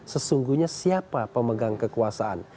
sesungguhnya siapa pemegang kekuasaan